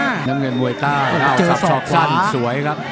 น้ำเงินมวยใต้อ้าวสับสอกสั้นสวยครับ